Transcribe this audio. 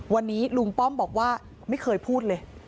วันนี้ลุงป้อมบอกว่าไม่เคยพูดเลย